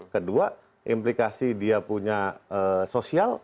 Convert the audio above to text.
kedua implikasi dia punya sosial